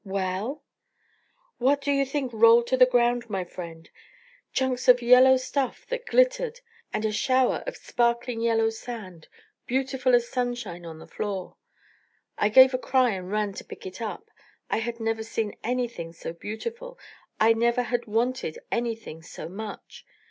well?" "What do you think rolled to the ground, my friends? Chunks of yellow stuff that glittered, and a shower of sparkling yellow sand beautiful as sunshine on the floor. I gave a cry and ran to pick it up. I had never seen anything so beautiful, I never had wanted anything so much.